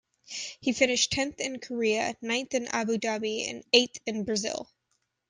He finished tenth in Korea, ninth in Abu Dhabi and eighth in Brazil.